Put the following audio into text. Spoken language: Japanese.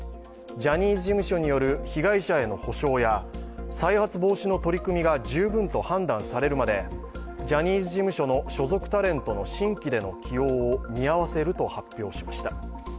ジャニーズ事務所による被害者への補償や再発防止の取り組みが十分と判断されるまでジャニーズ事務所の所属タレントの新規での起用を見合わせると発表しました。